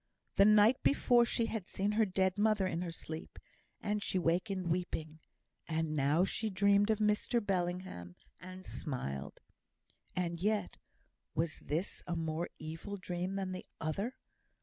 The night before, she had seen her dead mother in her sleep, and she wakened, weeping. And now she dreamed of Mr Bellingham, and smiled. And yet, was this a more evil dream than the other?